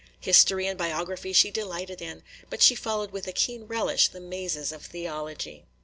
History and biography she delighted in, but she followed with a keen relish the mazes of theology.